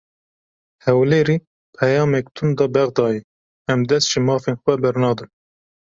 Hewlêrê peyamek tund da Bexdayê: Em dest ji mafên xwe bernadin.